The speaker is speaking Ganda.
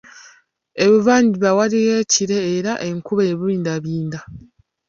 Ebuvanjuba waaliyo ekire era ng'enkuba ebindabinda.